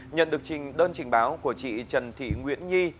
nhận được trình đơn trình báo của chị trần thị nguyễn nhi